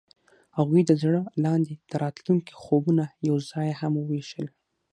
هغوی د زړه لاندې د راتلونکي خوبونه یوځای هم وویشل.